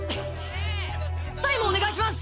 タタイムお願いします！